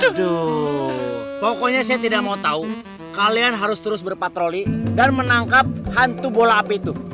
aduh pokoknya saya tidak mau tahu kalian harus terus berpatroli dan menangkap hantu bola api itu